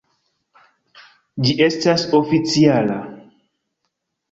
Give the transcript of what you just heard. Ĝi estas oficiala!